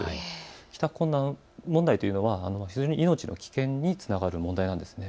帰宅困難の問題というのは非常に命の危険につながる問題なんです。